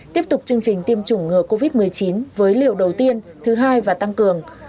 tiếp tục chương trình tiêm chủng ngừa covid một mươi chín với liều đầu tiên thứ hai và tăng cường